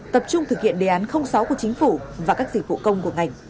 tập trung thực hiện đề án sáu của chính phủ và các dịch vụ công của ngành